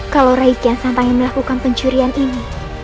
kalau rai kian santangin melakukan pencurian ini